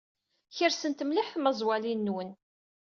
Kersent mliḥ tmaẓwalin-nwen.